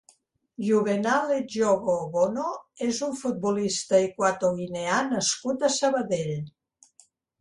Juvenal Edjogo-Owono és un futbolista equatoguineà nascut a Sabadell.